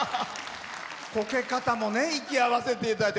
こけかたも息合せていただいて。